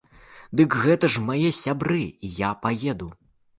Дык гэта ж мае сябры, і я паеду!